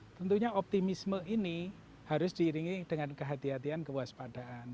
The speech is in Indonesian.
tentunya optimisme ini harus diiringi dengan kehatian kehatian kewaspadaan